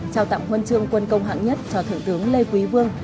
trao tặng huân chương quân công hạng nhất cho thượng tướng lê quý vương